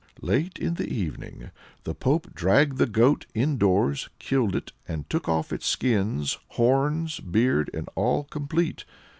Late in the evening the pope dragged the goat indoors, killed it, and took off its skin horns, beard, and all complete.